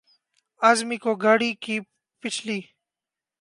اعظمی کو گاڑی کی پچھلی